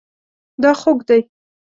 دا خوږ دی